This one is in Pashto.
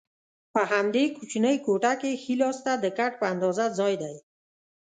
په همدې کوچنۍ کوټه کې ښي لاسته د کټ په اندازه ځای دی.